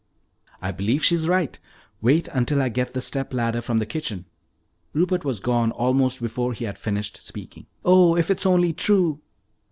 "I believe she's right! Wait until I get the step ladder from the kitchen." Rupert was gone almost before he had finished speaking. "Oh, if it's only true!"